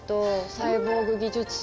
サイボーグ技術者。